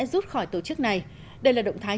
rút khỏi tổ chức này đây là động thái